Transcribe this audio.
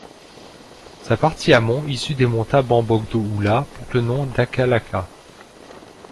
Sa partie amont issue des monts Taban-Bogdo-Oula porte le nom d'Akalakha .